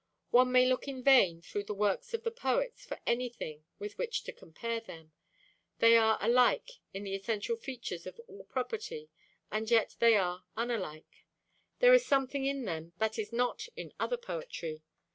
One may look in vain through the works of the poets for anything with which to compare them. They are alike in the essential features of all poetry, and yet they are unalike. There is something in them that is not in other poetry.